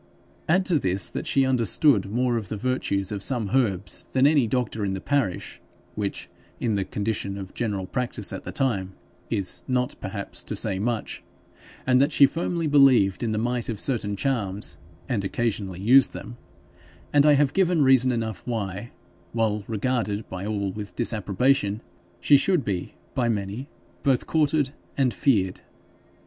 Add to this, that she understood more of the virtues of some herbs than any doctor in the parish, which, in the condition of general practice at the time, is not perhaps to say much, and that she firmly believed in the might of certain charms, and occasionally used them and I have given reason enough why, while regarded by all with disapprobation she should be by many both courted and feared.